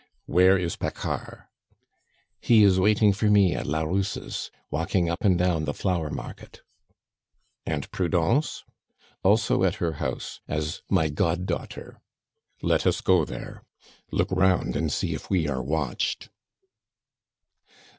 "Where is Paccard?" "He is waiting for me at la Rousse's, walking up and down the flower market." "And Prudence?" "Also at her house, as my god daughter." "Let us go there." "Look round and see if we are watched."